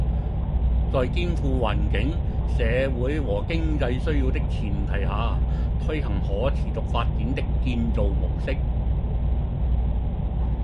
在兼顧環境、社會和經濟需要的前提下，推行可持續發展的建造模式